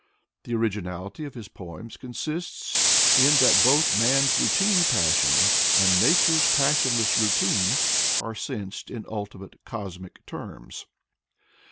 The origi nality of his poems consists in that both man's routine passions and nature's passionless routine are sensed in ultimate, cosmic terms.